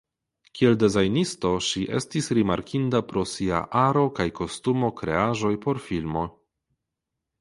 Kiel dezajnisto ŝi estis rimarkinda pro sia aro kaj kostumo kreaĵoj por filmo.